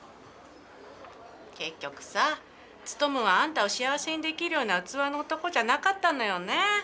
結局さツトムンはあんたを幸せにできるような器の男じゃなかったのよね。